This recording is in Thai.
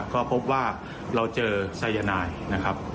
ก็พบว่าเราเจอไซยาไนท์นะครับ